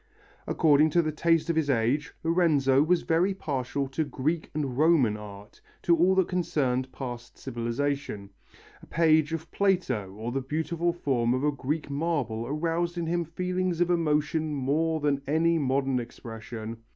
According to the taste of his age, Lorenzo was very partial to Greek and Roman art, to all that concerned past civilization. A page of Plato or the beautiful form of a Greek marble aroused in him feelings of emotion more than any modern expression.